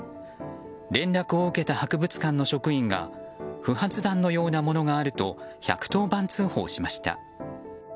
連絡を受けた博物館の職員が不発弾のようなものがあると１１０番通報しました。